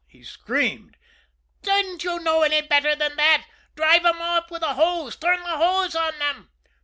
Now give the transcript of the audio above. he screamed. "Didn't you know any better than that! Drive 'em off with the hose turn the hose on them!"